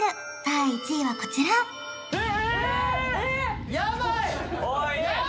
第１位はこちらええ！？